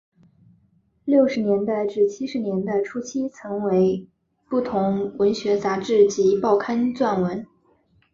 六十年代至七十年代初期曾为不同文学杂志及报刊撰文。